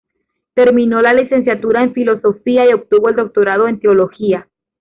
Terminó la Licenciatura en Filosofía y obtuvo el Doctorado en Teología.